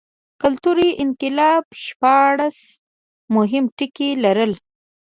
کلتوري انقلاب شپاړس مهم ټکي لرل.